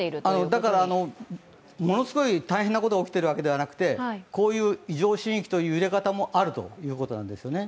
だから、ものすごい大変なことが起きているわけではなくて、こういう異常震域という揺れ方もあるということなんですね。